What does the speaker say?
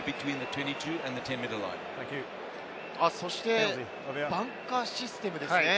そしてバンカーシステムですね。